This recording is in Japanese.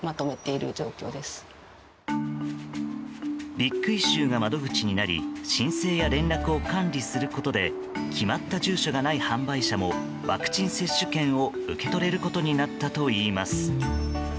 「ビッグイシュー」が窓口になり申請や連絡を管理することで決まった住所がない販売者もワクチン接種券を受け取れることになったといいます。